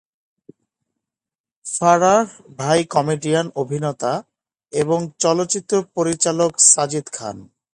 ফারাহ’র ভাই কমেডিয়ান, অভিনেতা এবং চলচ্চিত্র পরিচালক সাজিদ খান।